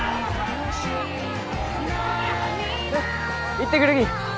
行ってくるき。